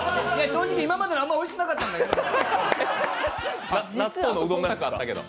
正直、今までのあんまりおいしくなかったんですけど。